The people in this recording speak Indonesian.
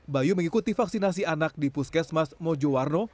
bayu mengikuti vaksinasi anak di puskesmas mojo warno